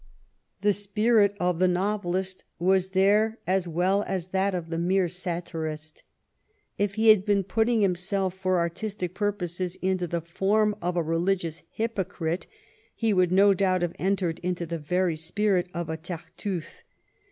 The spirit of the novelist was there as well as that of the mere satirist. If he had been putting himself, for artistic purposes, into the form of a religious hypocrite, he would no doubt have entered into the very spirit of a Tartufe.